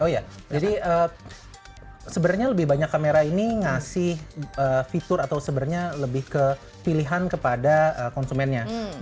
oh ya jadi sebenarnya lebih banyak kamera ini ngasih fitur atau sebenarnya lebih ke pilihan kepada konsumennya